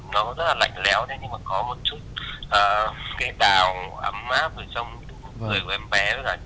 nó rất là lạnh lẽo thế nhưng mà có một chút cái đào ấm áp ở trong người của em bé